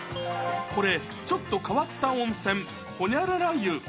これ、ちょっと変わった温泉、ホニャララ湯。